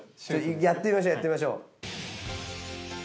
やってみましょうやってみましょう。